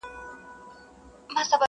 o د ځوانۍ يوه نشه ده، هسي نه چي همېشه ده٫